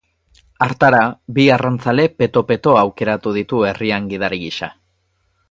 Hartara, bi arrantzale peto-peto aukeratuko ditu herrian gidari gisa.